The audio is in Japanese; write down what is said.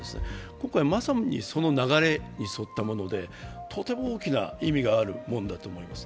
今回、まさにその流れに沿ったものでとても大きな意味があるものだと思います。